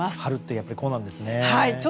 春って、やっぱりこうなんですね。